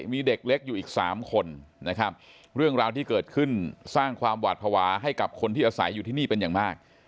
มีเด็กเล็กอยู่อีก๓คนนะครับเรื่องราวที่เกิดขึ้นสร้างความหวาดภาวะให้กับคนที่อาศัยอยู่ที่นี่เป็นอย่างมาก